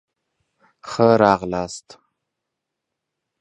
ښه راغلاست